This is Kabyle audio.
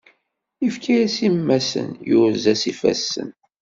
Ifka-yas imassen, yurez-as ifassen.